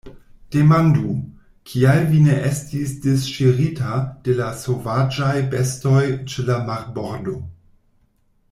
Demandu, kial vi ne estis disŝirita de la sovaĝaj bestoj ĉe la marbordo.